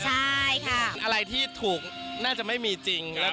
อะไรอยู่ที่เถอะน่าจะไม่มีจริง